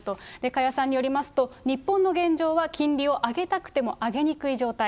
加谷さんによりますと、日本の現状は金利を上げたくても上げにくい状態。